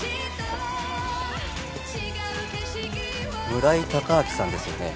村井隆明さんですよね？